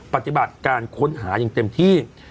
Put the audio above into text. ปฏิบัติการค้นหาอย่างเต็มที่